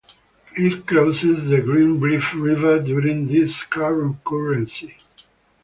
It crosses the Greenbrier River during this concurrency.